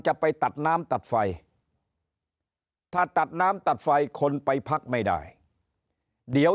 จะไปตัดน้ำตัดไฟถ้าตัดน้ำตัดไฟคนไปพักไม่ได้เดี๋ยว